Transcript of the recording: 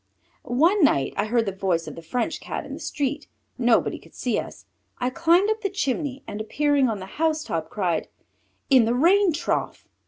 _ One night I heard the voice of the French Cat in the street. Nobody could see us; I climbed up the chimney and, appearing on the housetop, cried, "In the rain trough!"